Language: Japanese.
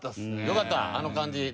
よかったあの感じ。